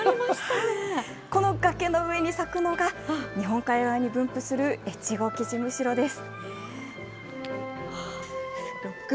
この崖の上に咲くのが日本海側に分布するエチゴキジムシロです。